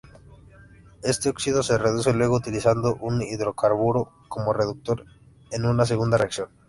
Este óxido se reduce luego utilizando un hidrocarburo como reductor en una segunda reacción.